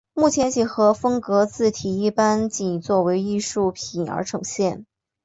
目前几何风格字体一般仅作为艺术品而呈现。